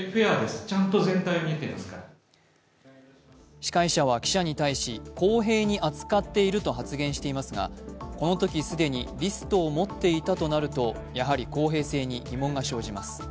司会者は記者に対し、公平に扱っていると発言していますがこのとき既にリストを持っていたとなるとやはり公平性に疑問が生じます。